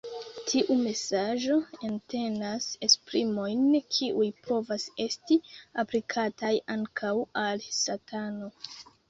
Tiu mesaĝo entenas esprimojn kiuj povas esti aplikataj ankaŭ al Satano.